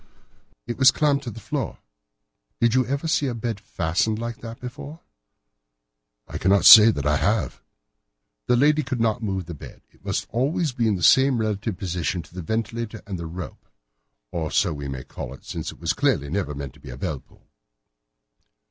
"It was clamped to the floor. Did you ever see a bed fastened like that before?" "I cannot say that I have." "The lady could not move her bed. It must always be in the same relative position to the ventilator and to the rope—or so we may call it, since it was clearly never meant for a bell pull."